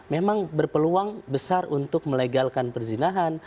memang berpeluang besar untuk melegalkan perzinahan